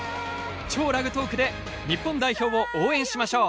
超ラグトークで日本代表を応援しましょう。